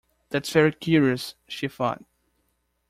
‘That’s very curious!’ she thought.